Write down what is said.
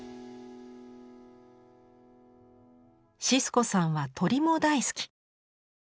シスコさんは鳥も大好き。